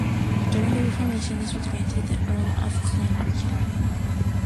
During the reformation this was granted to the Earl of Clanricarde.